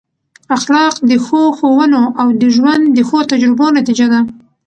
اخلاق د ښو ښوونو او د ژوند د ښو تجربو نتیجه ده.